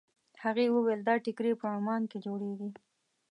هغې وویل دا ټیکري په عمان کې جوړېږي.